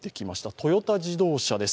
トヨタ自動車です。